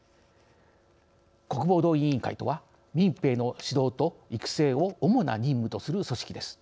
国防動員委員会とは民兵の指導と育成を主な任務とする組織です。